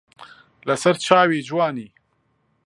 لە سەر چاوی جوانی